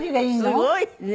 すごいね！